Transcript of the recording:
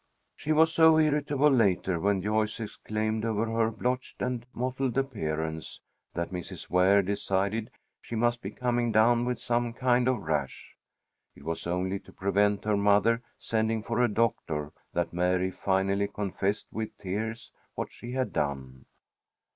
She was so irritable later, when Joyce exclaimed over her blotched and mottled appearance, that Mrs. Ware decided she must be coming down with some kind of rash. It was only to prevent her mother sending for a doctor, that Mary finally confessed with tears what she had done.